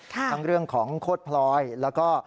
ทั้งเรื่องของโคตรพลอยแล้วก็